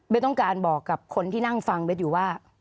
ต้องการบอกกับคนที่นั่งฟังเบสอยู่ว่า